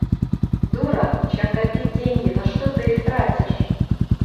Дура, чем копить деньги, на что ты их тратишь?